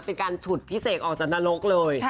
เป็นการฉุดพี่เสกออกจากนรกเลย